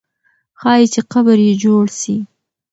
ښایي چې قبر یې جوړ سي.